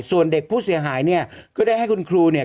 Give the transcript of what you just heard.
ส่วนเด็กผู้เสียหายเนี่ยก็ได้ให้คุณครูเนี่ย